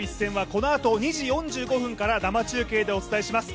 このあと２時４５分から生中継でお伝えします。